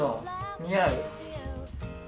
似合う？